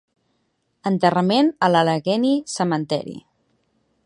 Enterrament a l'Allegheny Cemetery.